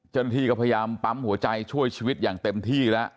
เจ้าหน้าที่ก็พยายามปั๊มหัวใจช่วยชีวิตอย่างเต็มที่แล้ว